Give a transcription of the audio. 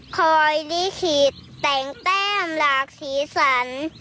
คอยลิขิตแต่งแต้มหลากสีสัน